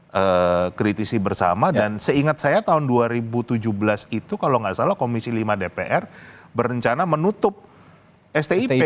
saya kritisi bersama dan seingat saya tahun dua ribu tujuh belas itu kalau nggak salah komisi lima dpr berencana menutup stip